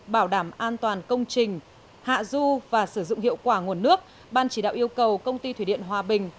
bảo đảm an toàn công trình hạ du và sử dụng hiệu quả nguồn nước ban chỉ đạo yêu cầu công ty thủy điện hòa bình